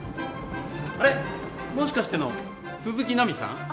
あれもしかしての鈴木奈未さん？